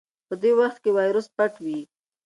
په دې وخت کې وایرس پټ وي.